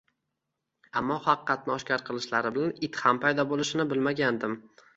Ammo haqiqatni oshkor qilishlari bilan it ham paydo bo`lishini bilmagandim